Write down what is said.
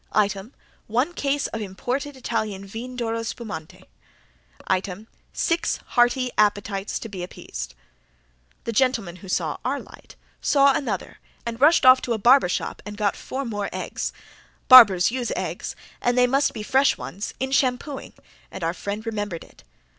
Item one case of imported Italian Vin d'Oro Spumanti. Item six hearty appetites to be appeased. The gentleman who saw our light saw another, and rushed off to a barber shop, and got four more eggs. Barbers use eggs, and they must be fresh ones, in shampooing, and our friend remembered it.